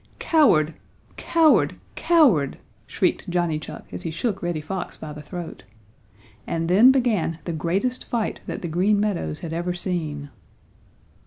"Coward! Coward! Coward!" shrieked Johnny Chuck as he shook Reddy Fox by the throat. And then began the greatest fight that the Green Meadows had ever seen.